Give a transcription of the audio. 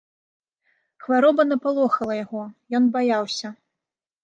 Хвароба напалохала яго, ён баяўся.